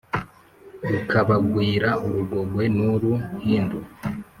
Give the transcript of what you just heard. rukabagwira urugogwe nuru hindu.